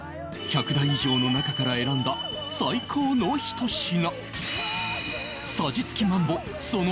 １００台以上の中から選んだ最高の一品